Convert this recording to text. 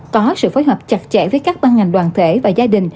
có sự phối hợp chặt chẽ với các ban ngành đoàn thể và gia đình